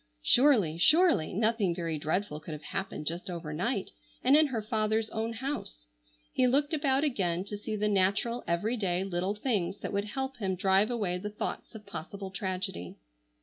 Surely, surely, nothing very dreadful could have happened just over night, and in her father's own house. He looked about again to see the natural, every day, little things that would help him drive away the thoughts of possible tragedy.